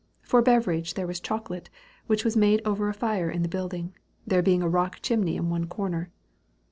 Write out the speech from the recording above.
For beverage, there was chocolate, which was made over a fire in the building there being a rock chimney in one corner.